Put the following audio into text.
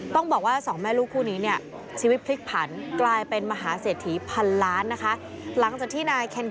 ต้องบอกว่าสองแม่ลูกคู่นี้เนี่ยชีวิตพลิกผันกลายเป็นมหาเศรษฐีพันล้านนะคะ